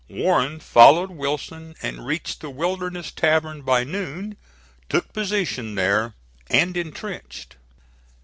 Warren followed Wilson and reached the Wilderness Tavern by noon, took position there and intrenched.